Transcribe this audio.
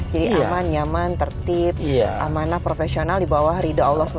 jadi aman nyaman tertib amanah profesional di bawah rida allah swt